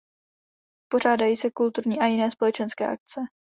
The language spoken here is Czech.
Pořádají se kulturní a jiné společenské akce.